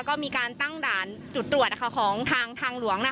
ก็มีการตั้งด่านจุดตรวจของทางทางหลวง